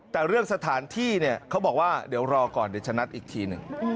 แต่เรื่องสถานที่เนี่ยเขาบอกว่าเดี๋ยวรอก่อนเดี๋ยวจะนัดอีกทีหนึ่ง